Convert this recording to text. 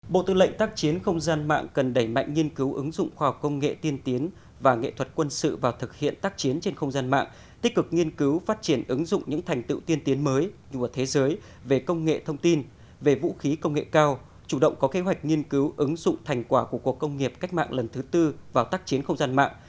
bộ tư lệnh tác chiến không gian mạng cần đẩy mạnh nghiên cứu ứng dụng khoa học công nghệ tiên tiến và nghệ thuật quân sự vào thực hiện tác chiến trên không gian mạng tích cực nghiên cứu phát triển ứng dụng những thành tựu tiên tiến mới thế giới về công nghệ thông tin về vũ khí công nghệ cao chủ động có kế hoạch nghiên cứu ứng dụng thành quả của cuộc công nghiệp cách mạng lần thứ tư vào tác chiến không gian mạng